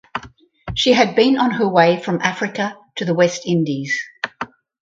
She had been on her way from Africa to the West Indies.